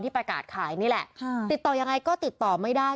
ประกาศขายนี่แหละค่ะติดต่อยังไงก็ติดต่อไม่ได้